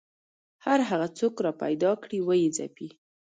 هر هغه څوک راپیدا کړي ویې ځپي